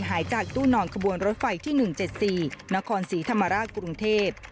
หายจากตู้นอนขบวนรถไฟที่๑๗๔นครศรีธรรมราชกรุงเทพ